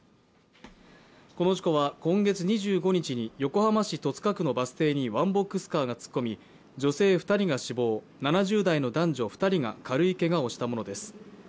この事故は今月２５日に、横浜市戸塚区のバス停にワンボックスカーが突っ込み女性２人が死亡、７０代の男女２人が軽いけがをしたものです。